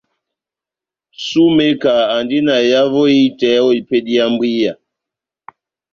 Sumeka andi na ehavo ehitɛ o epedi ya mbwiya.